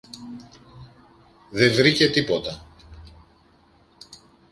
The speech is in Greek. δε βρήκε τίποτα.